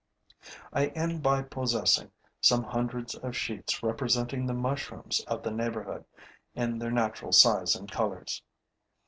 I end by possessing some hundreds of sheets representing the mushrooms of the neighborhood in their natural size and colors.